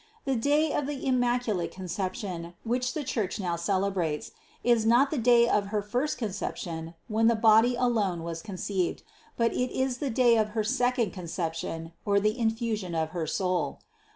The day of the Immaculate Conception, which the Church now celebrates, is not the day of her first conception, when the body alone was conceived, but it is the day of he* second Conception or the infusion of her soul.